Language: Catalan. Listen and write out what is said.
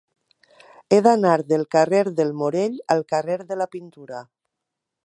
He d'anar del carrer del Morell al carrer de la Pintura.